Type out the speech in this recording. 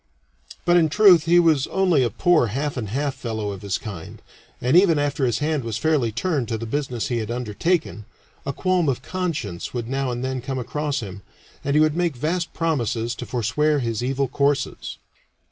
But in truth he was only a poor half and half fellow of his kind, and even after his hand was fairly turned to the business he had undertaken, a qualm of conscience would now and then come across him, and he would make vast promises to forswear his evil courses.